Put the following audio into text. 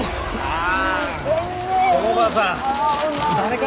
ああ。